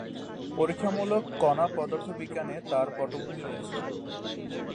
পরীক্ষামূলক কণা পদার্থবিজ্ঞানে তাঁর পটভূমি রয়েছে।